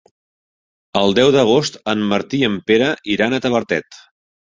El deu d'agost en Martí i en Pere iran a Tavertet.